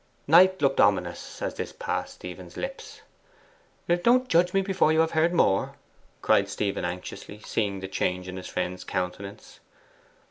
Knight looked ominous as this passed Stephen's lips. 'Don't judge me before you have heard more,' cried Stephen anxiously, seeing the change in his friend's countenance.